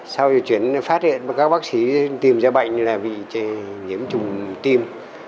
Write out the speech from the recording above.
sau chuyến phát hiện các bác sĩ tìm ra bệnh là bị nhiễm trùng tim